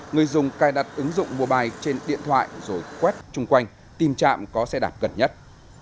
người dùng cài đặt ứng dụng mobile trên điện thoại rồi quét chung quanh tìm chạm có xe đạp gần nhất